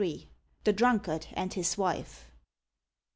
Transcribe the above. THE DRUNKARD AND HIS WIFE.